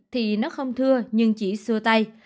thì nó không thưa nhưng chỉ xua tay